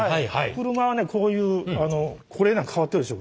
車はねこういうこれなんか変わってるでしょ